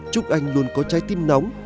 chúc anh luôn có trái tim nóng